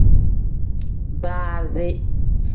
Baazi.